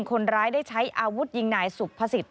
คนร้ายได้ใช้อาวุธยิงนายสุภสิทธิ